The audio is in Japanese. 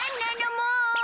もう。